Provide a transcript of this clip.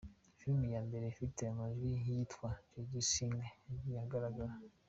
Filime ya mbere ifite amajwi yitwa The Jazz Singer, yagiye ahagaragara.